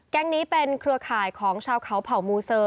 นี้เป็นเครือข่ายของชาวเขาเผ่ามูเซอร์